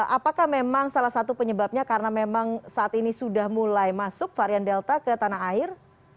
apakah memang salah satu penyebabnya karena memang saat ini sudah mulai masuk varian delta ke tanah air